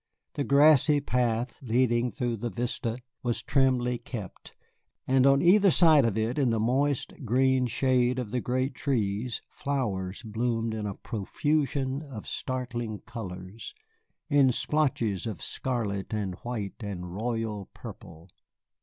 The grassy path leading through the vista was trimly kept, and on either side of it in the moist, green shade of the great trees flowers bloomed in a profusion of startling colors, in splotches of scarlet and white and royal purple.